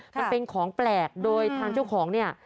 มันเป็นของแปลกโดยทางเจ้าของเนี่ย